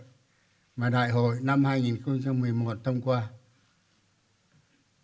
là chúng ta phải tổng kết một mươi năm thực hiện chiến lược phát triển kinh tế xã hội